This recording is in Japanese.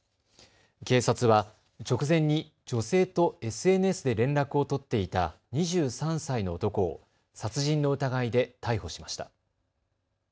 警察は直前に女性とＳＮＳで連絡を取っていた２３歳の男を殺人の疑いで逮捕しました。